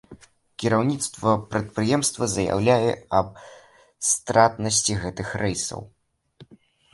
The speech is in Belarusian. Кіраўніцтва прадпрыемства заяўляе аб стратнасці гэтых рэйсаў.